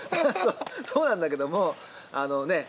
そうなんだけどもあのね。